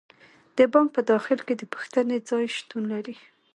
د بانک په داخل کې د پوښتنې ځای شتون لري.